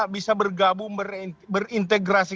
bisa bergabung berintegrasi